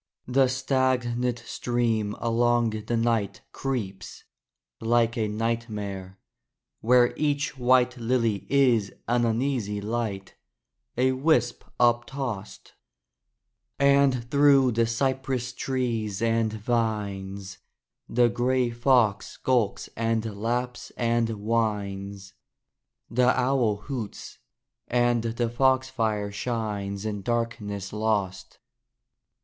The stagnant stream along the night Creeps, like a nightmare, where each white Lily is an uneasy light, A wisp up tossed: And through the cypress trees and vines The gray fox skulks and laps and whines; The owl hoots; and the foxfire shines In darkness lost.